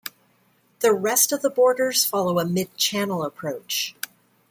The rest of the borders follow a mid-channel approach.